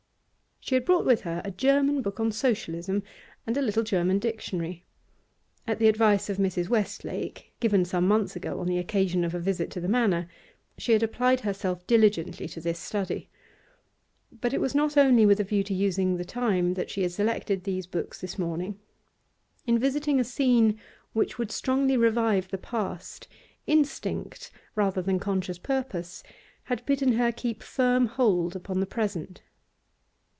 She had brought with her a German book on Socialism and a little German dictionary. At the advice of Mr. Westlake, given some months ago on the occasion of a visit to the Manor, she had applied herself diligently to this study. But it was not only with a view to using the time that she had selected these books this morning. In visiting a scene which would strongly revive the past, instinct rather than conscious purpose had bidden her keep firm hold upon the present.